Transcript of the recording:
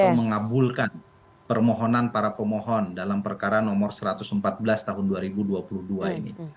yang mengabulkan permohonan para pemohon dalam perkara nomor satu ratus empat belas tahun dua ribu dua puluh dua ini